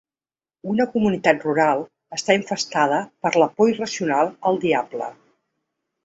Una comunitat rural està infestada per la por irracional al diable.